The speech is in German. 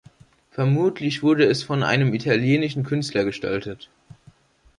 Vermutlich wurde es von einem italienischen Künstler gestaltet.